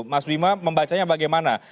mas bima membacanya bagaimana